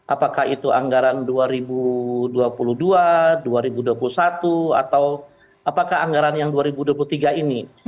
apakah itu anggaran dua ribu dua puluh dua dua ribu dua puluh satu atau apakah anggaran yang dua ribu dua puluh tiga ini